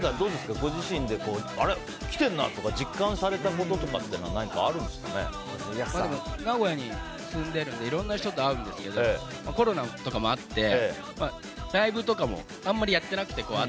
ご自身であれ、来てるなって実感されることって名古屋に住んでいるのでいろいろな人に会うんですけどコロナとかもあってライブとかもあんまりやってなくて。